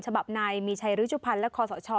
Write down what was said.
ฉบับนายมีชัยรุชุพันธ์และคอสช